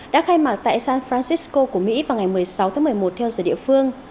đã khai mạc tại san francisco của mỹ vào ngày một mươi sáu tháng một mươi một theo giờ địa phương